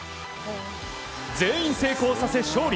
全員成功させ勝利。